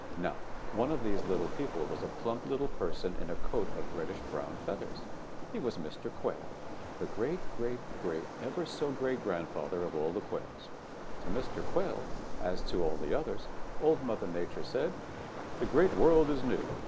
"Now one of these little people was a plump little person in a coat of reddish brown feathers. He was Mr. Quail, the great great great ever so great grandfather of all the Quails. To Mr. Quail, as to all the others, Old Mother Nature said: 'The Great World is new.